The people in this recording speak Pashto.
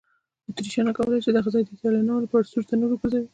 اتریشیانو کولای شوای دغه ځای د ایټالویانو لپاره سور تنور وګرځوي.